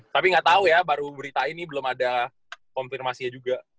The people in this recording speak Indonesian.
tapi gak tau ya baru beritain nih belum ada konfirmasinya juga